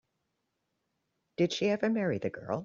Did she ever marry the girl?